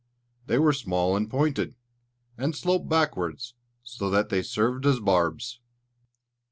They were small and pointed, and sloped backwards, so that they served as barbs.